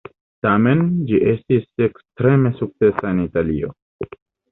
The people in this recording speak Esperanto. Tamen, ĝi estis ekstreme sukcesa en Italio.